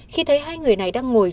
khi thấy hai người này đang ngồi